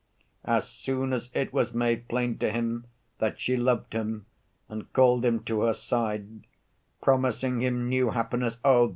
As soon as it was made plain to him that she loved him and called him to her side, promising him new happiness, oh!